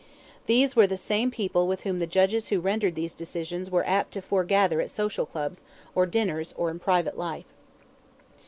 These were the same people with whom the judges who rendered these decisions were apt to foregather at social clubs, or dinners, or in private life.